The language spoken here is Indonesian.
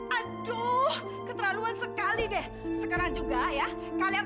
aduh keterlaluan sekali deh sekarang juga ya kalian